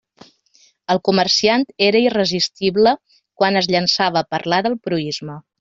El comerciant era irresistible quan es llançava a parlar del proïsme.